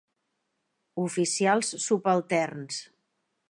Oficials subalterns.